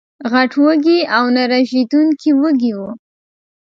غټ وږي او نه رژېدونکي وږي وو